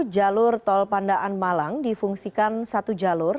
jalur tol pandaan malang difungsikan satu jalur